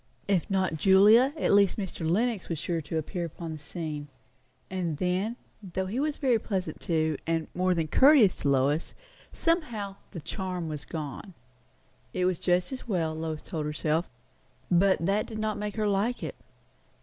If not Julia, at least Mr. Lenox was sure to appear upon the scene; and then, though he was very pleasant too, and more than courteous to Lois, somehow the charm was gone. It was just as well, Lois told herself; but that did not make her like it.